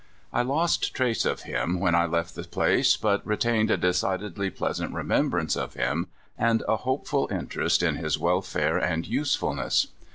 I lost trace of him when I left the place, but retained a decidedly pleasant remembrance of him, and a hopeful interest in his welfare and use fulness.